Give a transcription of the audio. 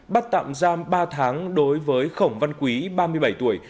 bắt tạm giam ba tháng đối với khổng văn quý ba mươi bảy tuổi